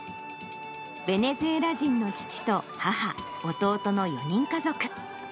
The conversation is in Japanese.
ベネズエラ人の父と母、弟の４人家族。